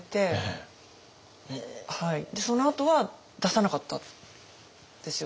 そのあとは出さなかったんですよね。